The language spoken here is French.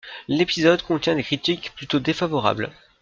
L'épisode obtient des critiques plutôt défavorables.